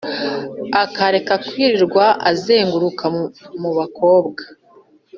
akareka kwirirwa azenguruka mu bakobwa